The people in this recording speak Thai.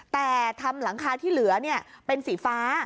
แต่ทำหลังคาที่เหลือเป็นสีฟ้า